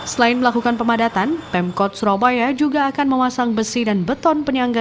selain melakukan pemadatan pemkot surabaya juga akan memasang besi dan beton penyangga